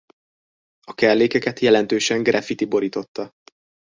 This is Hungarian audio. A kellékeket jelentősen graffiti borította.